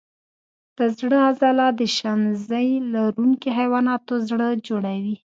د زړه عضله د شمزۍ لرونکو حیواناتو زړه جوړوي.